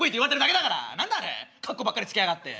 何だあれかっこばっかりつけやがって。